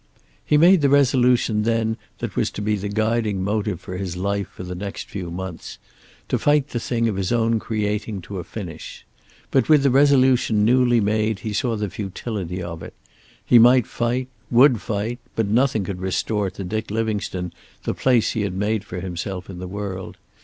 He made the resolution then that was to be the guiding motive for his life for the next few months, to fight the thing of his own creating to a finish. But with the resolution newly made he saw the futility of it. He might fight, would fight, but nothing could restore to Dick Livingstone the place he had made for himself in the world.